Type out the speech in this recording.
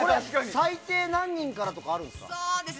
最低何人からとかあるんですか？